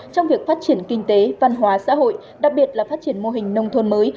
trong việc phát triển kinh tế văn hóa xã hội đặc biệt là phát triển mô hình nông thôn mới